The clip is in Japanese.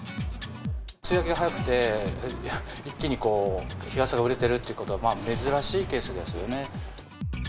梅雨明けが早くて、一気に日傘が売れてるっていうことは、珍しいケースですよね。